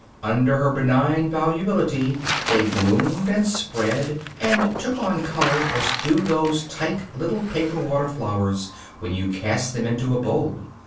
Under her benign volubility they bloomed and spread and took on color as do those tight little paper water flowers when you cast them into a bowl.